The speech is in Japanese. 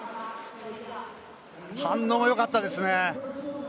反応、よかったですね。